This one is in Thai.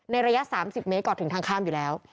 ระยะ๓๐เมตรก่อนถึงทางข้ามอยู่แล้ว